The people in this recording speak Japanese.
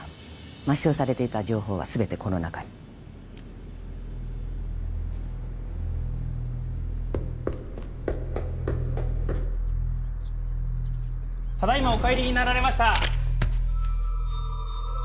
抹消されていた情報は全てこの中にただいまお帰りになられました